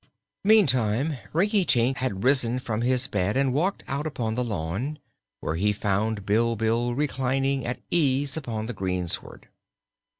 Meantime Rinkitink had risen from his bed and walked out upon the lawn, where he found Bilbil reclining at ease upon the greensward.